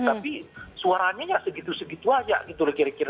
tapi suaranya ya segitu segitu aja gitu loh kira kira